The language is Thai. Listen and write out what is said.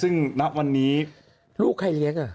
ซึ่งนับวันนี้ลูกใครเรียก